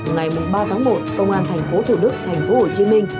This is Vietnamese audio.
ngày ba tháng một công an thành phố thủ đức thành phố hồ chí minh